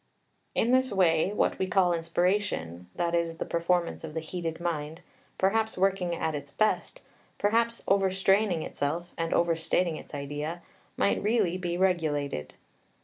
In this way what we call inspiration, that is the performance of the heated mind, perhaps working at its best, perhaps overstraining itself, and overstating its idea, might really be regulated.